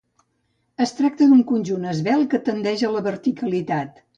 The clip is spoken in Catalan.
Es tracta d'un conjunt esvelt que tendeix a la verticalitat.